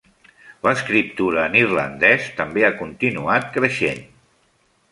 L'escriptura en irlandès també ha continuat creixent.